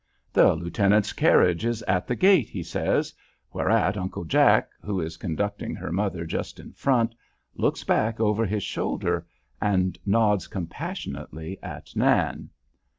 "The lieutenant's carriage is at the gate," he says, whereat Uncle Jack, who is conducting her mother just in front, looks back over his shoulder and nods compassionately at Nan.